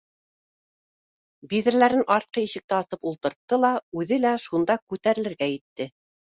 Биҙрәләрен артҡы ишекте асып ултыртты ла үҙе лә шунда күтәрелергә итте